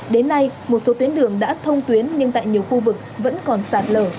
đến nay một số tuyến đường đã thông tuyến nhưng tại nhiều khu vực vẫn còn sạt lở